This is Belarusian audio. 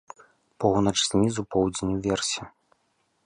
Поўнач знізу, поўдзень уверсе.